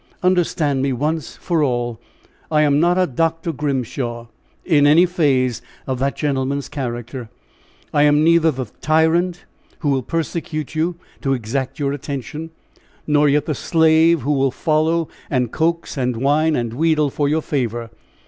Understand me once for all. I am not a Dr. Grimshaw, in any phase of that gentleman's character. I am neither the tyrant who will persecute you to exact your attention, nor yet the slave who will follow and coax and whine and wheedle for your favor.